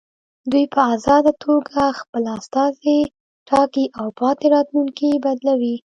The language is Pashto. دوی په ازاده توګه خپل استازي ټاکي او پاتې راتلونکي بدلوي.